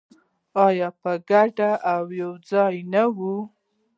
آیا په ګډه او یوځای نه وي؟